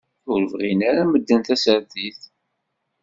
Ur bɣin ara medden tasertit.